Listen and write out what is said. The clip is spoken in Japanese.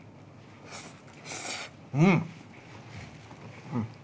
うん！